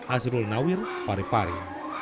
azrul nawir pari pari